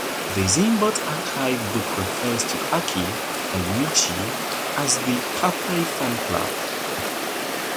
The Zambot Archives book refers to Aki and Michi as the Kappei Fan Club.